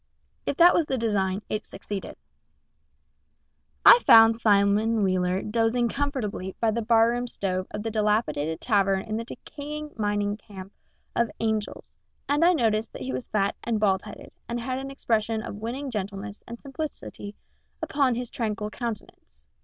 If that was the design, it succeeded. [Footnote B: By permission of the American Publishing Company.] I found Simon Wheeler dozing comfortably by the barroom stove of the dilapidated tavern in the decayed mining camp of Angel's, and I noticed that he was fat and bald headed, and had an expression of winning gentleness and simplicity upon his tranquil countenance.